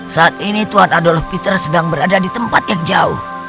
saat ini tuhan adalah peter sedang berada di tempat yang jauh